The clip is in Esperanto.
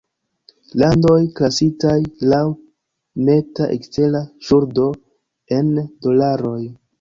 Landoj klasitaj "laŭ neta ekstera ŝuldo"', en dolaroj.